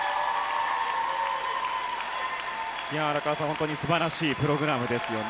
荒川さん、本当に素晴らしいプログラムですね。